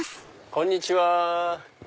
こんにちは。